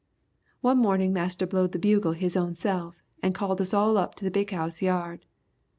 "One mornin' Marster blowed the bugle his own self and called us all up to the big 'ouse yard.